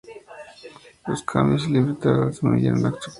Los cambios en el liderato disminuyeron su atractivo.